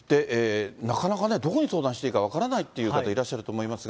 なかなかね、どこに相談していいか分からない方もいるかと思いますが。